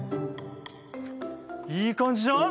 いい感じじゃん。